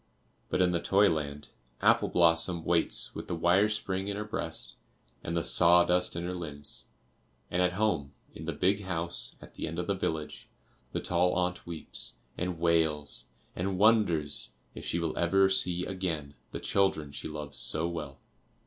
But in the toy land Apple blossom waits with the wire spring in her breast and the sawdust in her limbs; and at home, in the big house at the end of the village, the tall aunt weeps and wails and wonders if she will ever see again the children she loves so well.